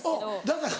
だから。